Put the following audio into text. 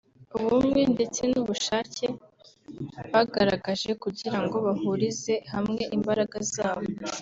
ubumwe ndetse n’ubushake bagaragaje kugira ngo bahurize hamwe imbaraga zabo